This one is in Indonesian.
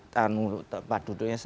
tahan untuk padudunya sama